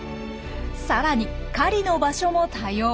さらに狩りの場所も多様。